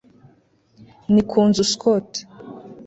Ni ku nzu Scott